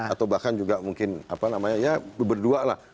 atau bahkan juga mungkin apa namanya ya berdua lah